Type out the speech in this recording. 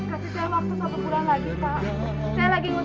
kasih dalam waktu satu bulan lagi pak